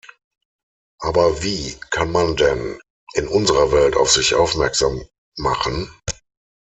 Aber wie kann man denn in unserer Welt auf sich aufmerksam machen?